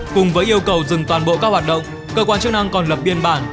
cùng với yêu cầu dừng toàn bộ các hoạt động cơ quan chức năng còn lập biên bản